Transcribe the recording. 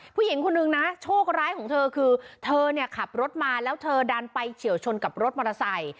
ผู้หญิงคนนึงนะโชคร้ายของเธอคือเธอเนี่ยขับรถมาแล้วเธอดันไปเฉียวชนกับรถมอเตอร์ไซค์